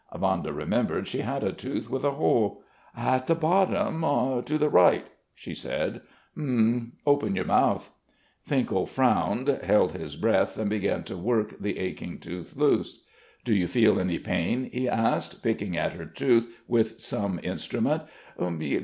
Vanda remembered she had a tooth with a hole. "At the bottom ... to the right," she said. "H'm ... open your mouth." Finkel frowned, held his breath, and began to work the aching tooth loose. "Do you feel any pain?" he asked, picking at her tooth with some instrument.